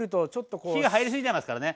火が入りすぎちゃいますからね。